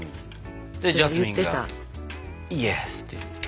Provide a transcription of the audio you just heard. ジャスミンが「イエス」って言うの。